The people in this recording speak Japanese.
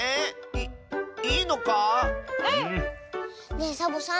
ねえサボさん